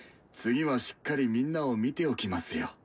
次はしっかりみんなを見ておきますよ。